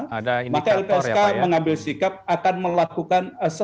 maka lpsk mengambil sikap akan melakukan